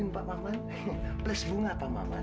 pak maman plus bunga pak maman